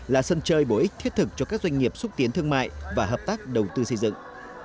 là sân chơi bổ ích thiết thực cho các doanh nghiệp xúc tiến thương mại và hợp tác đầu tư xây dựng